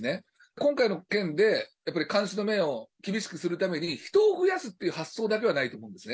今回の件で、やっぱり監視の目を厳しくするために、人を増やすという発想だけはないと思うんですね。